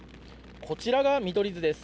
こちらが見取り図です。